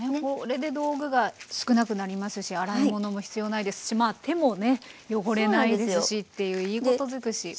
これで道具が少なくなりますし洗い物も必要ないですしまあ手もね汚れないですしっていういいこと尽くし。